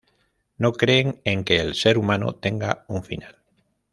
No creen en que el ser humano tenga un final.